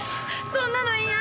そんなの嫌！